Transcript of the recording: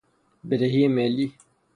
بدهی ملی